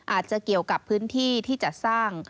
อาจจะเกี่ยวกับพื้นที่ที่จะสร้าง